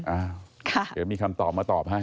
อ้าวเดี๋ยวมีคำตอบมาตอบให้